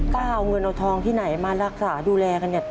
ป๊าเอาเงินเหาะทองที่ไหนมารักษาดูแลหรือนี่